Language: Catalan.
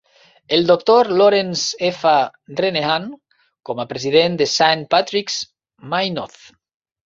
El doctor Laurence F. Renehan com a president de Saint Patrick's, Maynooth.